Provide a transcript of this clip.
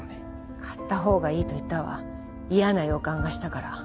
買った方がいいと言ったわ嫌な予感がしたから。